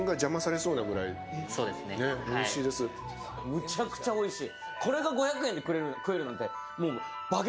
むちゃくちゃおいしい。